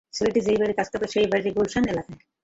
ছেলেটি যেবাড়িতে কাজ করত, সেই বাড়ি গুলশান এলাকায়।